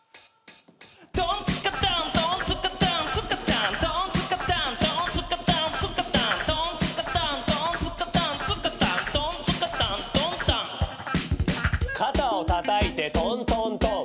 「トンツカタントンツカタンツカタン」「トンツカタントンツカタンツカタン」「トンツカタントンツカタンツカタン」「トンツカタントンタン」「肩をたたいてトントントン」